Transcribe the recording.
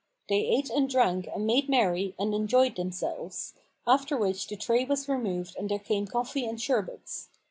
They ate and drank and made merry and enjoyed themselves; after which the tray was removed and there came coffee and sherbets.